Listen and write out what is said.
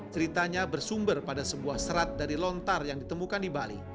ceritanya bersumber pada sebuah serat dari lontar yang ditemukan di bali